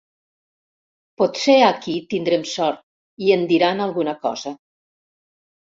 Potser aquí tindrem sort i en diran alguna cosa.